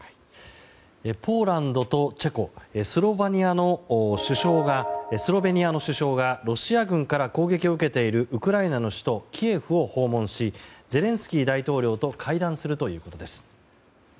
ポーランドとチェコスロベニアの首相がロシア軍から攻撃を受けているウクライナの首都キエフを訪問しゼレンスキー大統領と会談するということです。